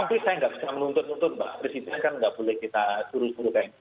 tapi saya nggak bisa menuntut nuntut pak presiden kan nggak boleh kita suruh suruh